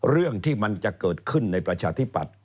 เรื่องที่มันจะเกิดขึ้นในประชาธิปัตย